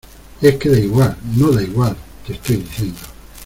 es que da igual. no da igual . te estoy diciendo